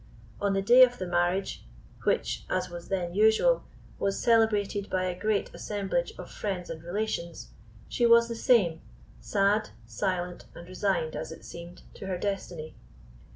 On the day of the marriage, which, as was then usual, was celebrated by a great assemblage of friends and relations, she was the same—sad, silent, and resigned, as it seemed, to her destiny.